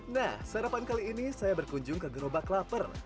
nah sarapan kali ini saya berkunjung ke gerobak lapar